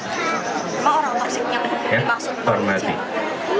orang toksiknya berarti maksudnya